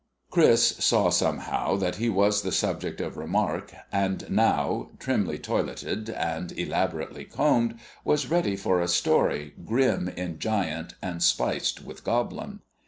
Chris saw somehow that he was the subject of remark, and now, trimly toileted and elaborately combed, was ready for a story grim in giant and spiced with goblin.